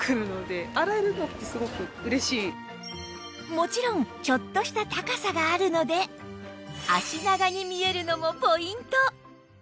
もちろんちょっとした高さがあるので脚長に見えるのもポイント！